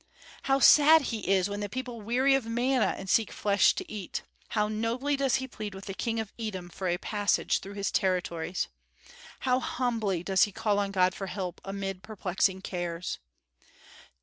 How sad he is when the people weary of manna and seek flesh to eat! How nobly does he plead with the king of Edom for a passage through his territories! How humbly does he call on God for help amid perplexing cares!